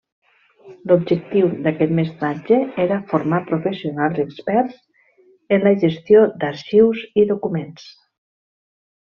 L'objectiu d'aquest mestratge era formar professionals experts en la gestió d'arxius i documents.